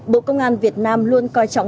bộ công an việt nam luôn coi trọng